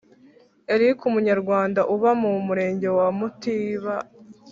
Eric Umunyarwanda uba mu Murenge wa mutiba